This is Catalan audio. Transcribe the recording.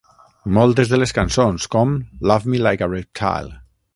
Moltes de les cançons, com "Love Me Like a Reptile".